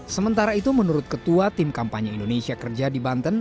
sementara itu menurut ketua tim kampanye indonesia kerja di banten